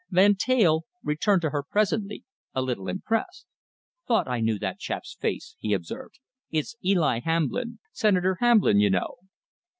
Van Teyl returned to her presently, a little impressed. "Thought I knew that chap's face," he observed. "It's Eli Hamblin Senator Hamblin, you know."